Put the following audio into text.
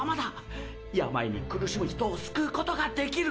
病に苦しむ人を救うことができる！